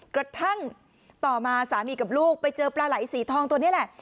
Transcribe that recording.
กระทั่งต่อมาสามีกับลูกไปเจอปลาไหลสีทองตัวนี้แหละ